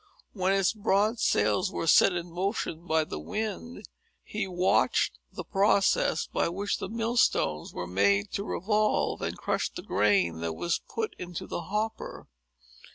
When its broad sails were set in motion by the wind, he watched the process by which the mill stones were made to revolve, and crush the grain that was put into the hopper.